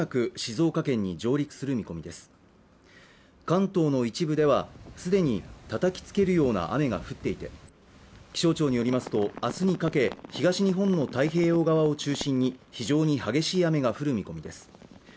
関東の一部では、既にたたきつけるような雨が降っていて気象庁によりますと、明日にかけ東日本の太平洋側を中心に非常に激しい雨が降る見込みです。